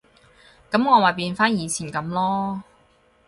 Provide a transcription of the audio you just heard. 噉我咪變返以前噉囉